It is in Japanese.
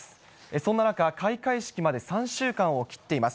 そんな中、開会式まで３週間を切っています。